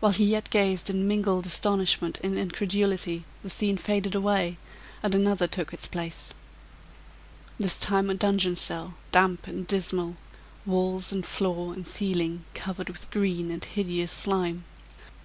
While he yet gazed in mingled astonishment and incredulity, the scene faded away, and another took its place. This time a dungeon cell, damp and dismal; walls, and floor, and ceiling covered with green and hideous slime.